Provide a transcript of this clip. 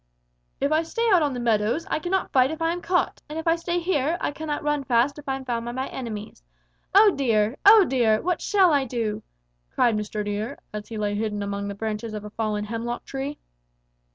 "'If I stay out on the meadows, I cannot fight if I am caught; and if I stay here, I cannot run fast if I am found by my enemies. Oh, dear! Oh, dear! What shall I do?' cried Mr. Deer, as he lay hidden among the branches of a fallen hemlock tree.